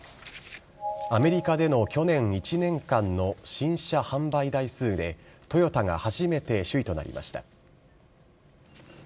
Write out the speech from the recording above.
アメリカでの去年１年間の新車販売台数で、トヨタが初めて首位となりました。